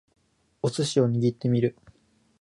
お寿司を握ってみる